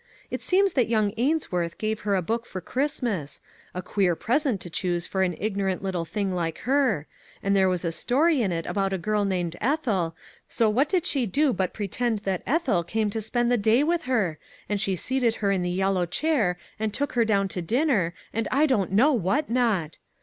" It seems that young Ainsworth gave her a book for Christmas a queer pres ent to choose for an ignorant little thing like her and there is a story in it about a girl named Ethel, so what did she do but pretend that Ethel came to spend the day with her ! and she seated her in the yellow chair, and took her down to dinner, and I don't know what not!